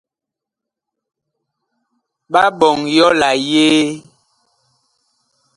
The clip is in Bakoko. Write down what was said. Ɓa ɓɔŋ yɔ la yee ?